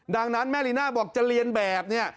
ดังนั้นแม่ลีน่าบอกจะเรียนแบบเนี่ย